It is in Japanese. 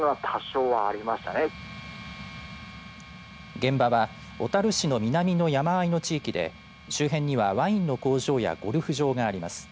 現場は小樽市の南の山あいの地域で周辺にはワインの工場やゴルフ場があります。